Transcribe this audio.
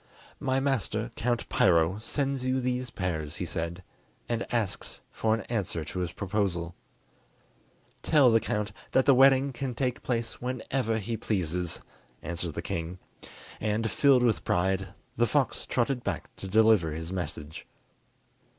"My master, Count Piro, sends you these pears," he said, "and asks for an answer to his proposal." "Tell the count that the wedding can take place whenever he pleases," answered the king, and, filled with pride, the fox trotted back to deliver his message.